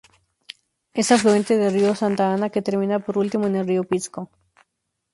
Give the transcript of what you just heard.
Es afluente del río Santa Ana que termina por último en el río Pisco.